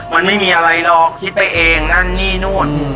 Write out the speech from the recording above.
มันไม่มีอะไรหรอกคิดไปเองนั่นนี่นู่น